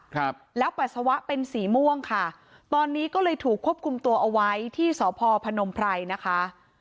ครับแล้วปัสสาวะเป็นสีม่วงค่ะตอนนี้ก็เลยถูกควบคุมตัวเอาไว้ที่สพพนมไพรนะคะ